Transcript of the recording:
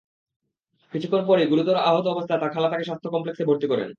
কিছুক্ষণ পরই গুরুতর আহত অবস্থায় তার খালা তাকে স্বাস্থ্য কমপ্লেক্সে ভর্তি করেন।